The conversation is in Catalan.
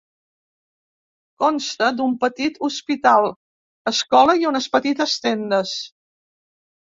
Consta d'un petit hospital, escola i unes petites tendes.